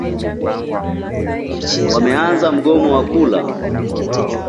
wameanza mgomo wa kula